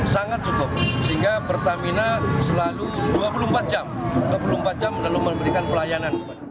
sangat cukup sehingga pertamina selalu dua puluh empat jam dua puluh empat jam dalam memberikan pelayanan